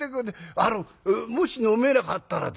あのもし飲めなかったらですよ